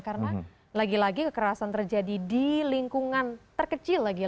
karena lagi lagi kekerasan terjadi di lingkungan terkecil lagi ya